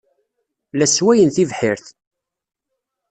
La sswayen tibḥirt.